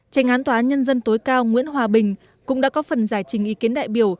tranh án tòa án nhân dân tối cao nguyễn hòa bình cũng đã có phần giải trình ý kiến đại biểu